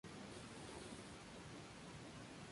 Su padre fue Bartolomeo Pacioli.